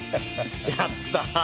やった！